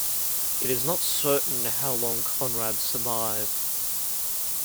It is not certain how long Conrad survived.